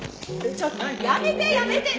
ちょっとやめてやめて！